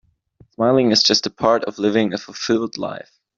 Smiling is just part of living a fulfilled life.